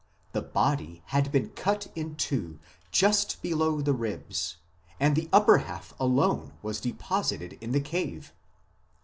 The body had been cut in two just below the ribs, and the upper half alone was deposited in the cave.